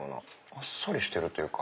あっさりしてるというか。